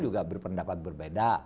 juga berpendapat berbeda